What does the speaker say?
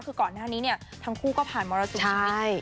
คือก่อนหน้านี้เนี่ยทั้งคู่ก็ผ่านมรสุมชีวิต